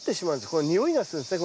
これにおいがするんですね